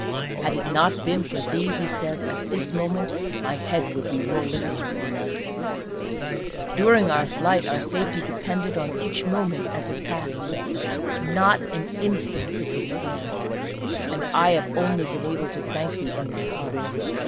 "Had it not been for thee," he said, "at this moment my head would be rolling in blood! "During our flight our safety depended on each moment as it passed not an instant could be spared and I have only been able to thank thee in my heart.